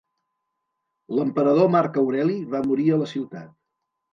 L'emperador Marc Aureli va morir a la ciutat.